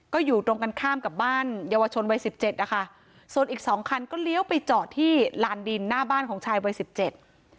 ก็อยู่ตรงกันข้ามกับบ้านเยาวชนวัยสิบเจ็ดนะคะส่วนอีกสองคันก็เลี้ยวไปจอดที่ลานดินหน้าบ้านของชายวัยสิบเจ็ด